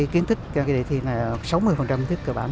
kiến thức trong cái đề thi là sáu mươi hình thức cơ bản